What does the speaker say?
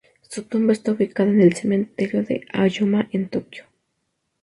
Su tumba está ubicada en el Cementerio de Aoyama, en Tokio.